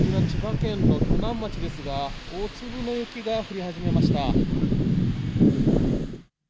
千葉県の鋸南町ですが、大粒の雪が降り始めました。